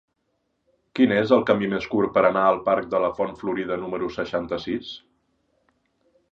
Quin és el camí més curt per anar al parc de la Font Florida número seixanta-sis?